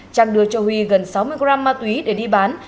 trang đưa cho huy gần sáu mươi gram ma túy để đi bán